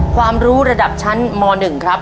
ความรู้ระดับชั้นม๑ครับ